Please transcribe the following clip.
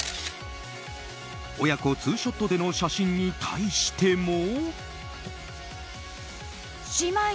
親子ツーショットでの写真に対しても。